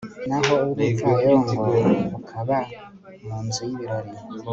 naho uw'umupfayongo ukaba mu nzu y'ibirori